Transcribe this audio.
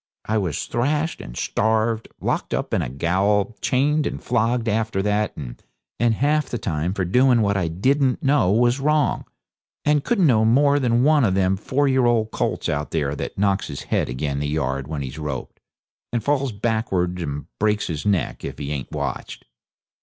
I was thrashed and starved, locked up in a gaol, chained and flogged after that, and half the time for doing what I didn't know was wrong, and couldn't know more than one of them four year old colts out there that knocks his head agin the yard when he's roped, and falls backards and breaks his neck if he ain't watched.